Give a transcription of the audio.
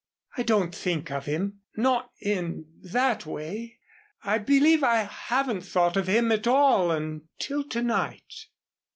"I don't think of him not in that way. I believe I haven't thought of him at all until to night.